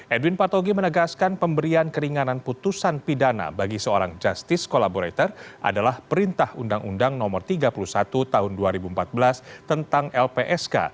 edwin partogi menegaskan pemberian keringanan putusan pidana bagi seorang justice collaborator adalah perintah undang undang no tiga puluh satu tahun dua ribu empat belas tentang lpsk